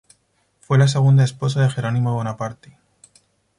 Fue la segunda esposa de Jerónimo Bonaparte.